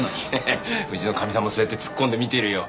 ハハッうちのかみさんもそうやってツッコんで見てるよ。